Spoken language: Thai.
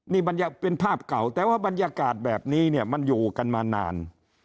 นี่เป็นภาพเก่าแต่ว่าบรรยากาศแบบนี้เนี่ยมันอยู่กันมานาน